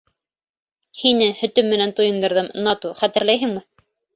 — Һине һөтөм менән туйындырҙым, Нату, хәтерләйһеңме?